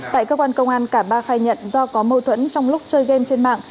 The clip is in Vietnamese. tại cơ quan công an cả ba khai nhận do có mâu thuẫn trong lúc chơi game trên mạng